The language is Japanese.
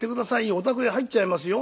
お宅へ入っちゃいますよ」。